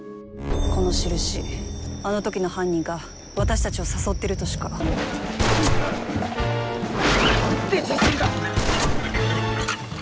この印あの時の犯人が私たちを誘ってるとしか。なんてじじいだ！